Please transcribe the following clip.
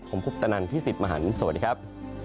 ผมพุพธนันทร์พิสิทธิ์มหันต์สวัสดีครับ